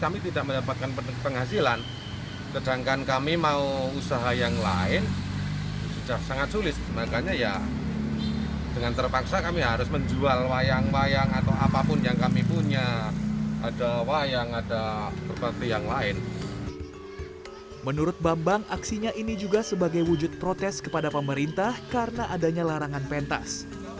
menurut bambang aksinya ini juga sebagai wujud protes kepada pemerintah karena adanya larangan pentas